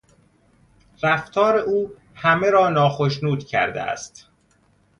رفتار او همه را ناخشنود کرده است.